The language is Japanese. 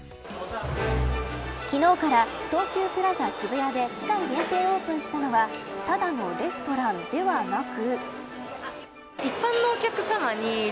昨日から、東急プラザ渋谷で期間限定オープンしたのはただのレストランではなく。